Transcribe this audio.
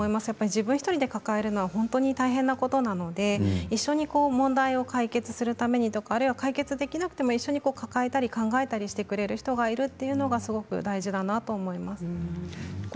自分１人で抱えるのは大変なことなので一緒に問題を解決するためにとか解決できなくても一緒に抱えたり考えたりしてくれる人がいるということが大事だと思います。